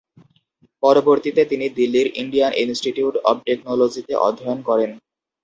পরবর্তীতে তিনি দিল্লির ইন্ডিয়ান ইন্সটিটিউট অব টেকনোলজিতে অধ্যায়ন করেন।